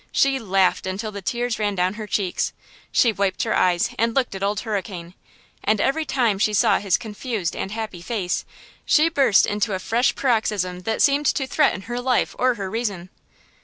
She laughed until the tears ran down her cheeks. She wiped her eyes and looked at Old Hurricane, and every time she saw his confused and happy face she burst into a fresh paroxysm that seemed to threaten her life or her reason.